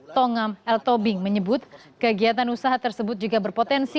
tongam l tobing menyebut kegiatan usaha tersebut juga berpotensi